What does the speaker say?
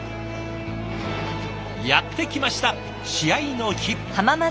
やってきました試合の日。